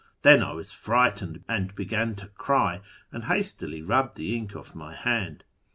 Then I was frightened, and began to cry, and hastily rubbed the ink off my hand.